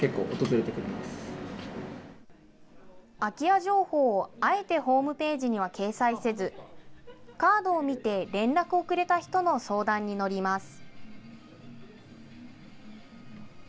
空き家情報をあえてホームページには掲載せず、カードを見て連絡をくれた人の相談に乗ります。